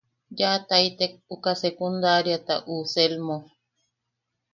Yaʼataitek uka secundariata uʼu Selmo.